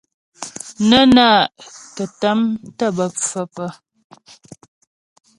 Nə́ na'kətàm tə́ bə́ pfə̌ pə́.